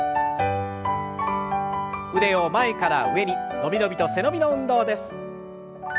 腕を前から上に伸び伸びと背伸びの運動です。